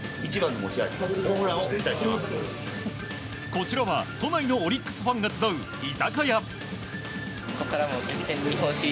こちらは都内のオリックスファンが集う居酒屋。